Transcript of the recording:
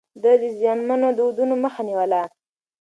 ده د زيانمنو دودونو مخه نيوله.